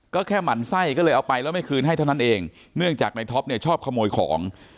ก็แค่หมั่นไส้เลยก็เอาไปแล้วไม่คืนให้เท่านั้นเอง